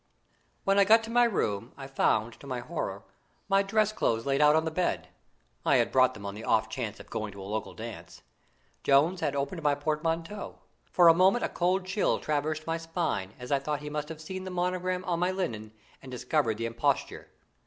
When I got to my room, I found, to my horror, my dress clothes laid out on the bed I had brought them on the off chance of going to a local dance. Jones had opened my portmanteau. For a moment a cold chill traversed my spine, as I thought he must have seen the monogram on my linen, and discovered the imposture.